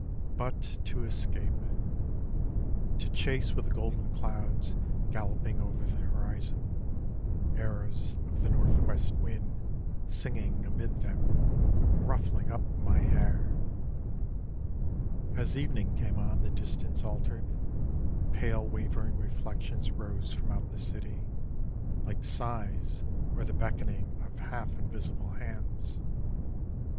But to escape: To chase with the golden clouds galloping over the horizon: Arrows of the northwest wind Singing amid them, Ruffling up my hair! As evening came on the distance altered, Pale wavering reflections rose from out the city, Like sighs or the beckoning of half invisible hands.